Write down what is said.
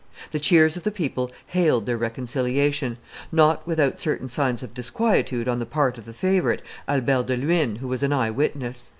The cheers of the people hailed their reconciliation; not without certain signs of disquietude on the part of the favorite, Albert de Luynes, who was an eye witness.